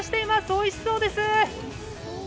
おいしそうです。